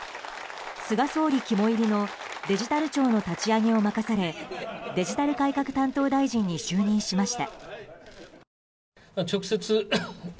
菅総理肝いりのデジタル庁の立ち上げを任されデジタル改革担当大臣に就任しました。